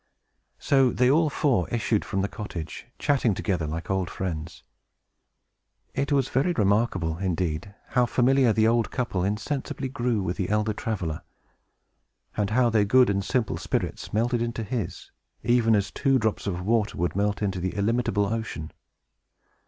So they all four issued from the cottage, chatting together like old friends. It was very remarkable, indeed, how familiar the old couple insensibly grew with the elder traveler, and how their good and simple spirits melted into his, even as two drops of water would melt into the illimitable ocean.